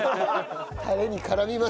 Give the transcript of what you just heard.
タレに絡みますか。